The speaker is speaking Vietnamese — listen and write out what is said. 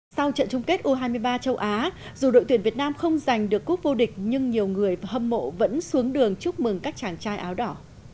sau trận chung kết u hai mươi ba châu á dù đội tuyển việt nam không giành được quốc vô địch nhưng nhiều người và hâm mộ vẫn xuống đường chúc mừng các chàng trai áo đỏ